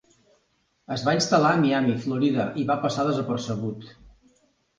Es va instal·lar a Miami, Florida i va passar desapercebut.